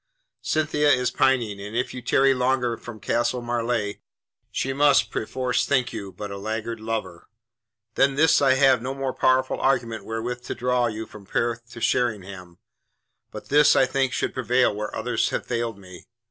Cynthia is pining, and if you tarry longer from Castle Marleigh she must perforce think you but a laggard lover. Than this I have no more powerful argument wherewith to draw you from Perth to Sheringham, but this I think should prevail where others have failed me.